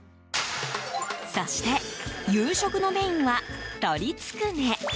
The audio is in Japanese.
そして、夕食のメインは鶏つくね。